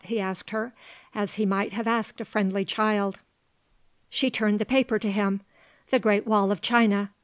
he asked her, as he might have asked a friendly child. She turned the paper to him. "The Great Wall of China.